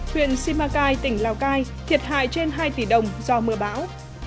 huyện simacai tỉnh lào cai thiệt hại trên hai tỷ đồng do mưa bão